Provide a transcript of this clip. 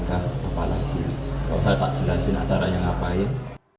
kalau saya pak jelasin acaranya ngapain